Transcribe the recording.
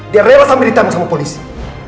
dia rela sambil ditanggung sama polisi